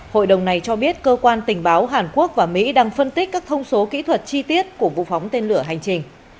hội đồng này cho biết cơ quan tình báo hàn quốc và mỹ đang phân tích các thông số kỹ thuật chi tiết của vụ phóng tên lửa hành trình